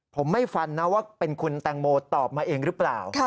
ผมไม่ฟันนะว่าเป็นคุณแตงโมตอบมาเองหรือเปล่า